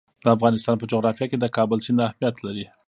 د افغانستان په جغرافیه کې د کابل سیند اهمیت لري.